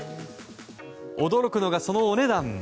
驚くのが、そのお値段。